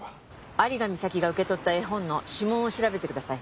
有賀美咲が受け取った絵本の指紋を調べてください。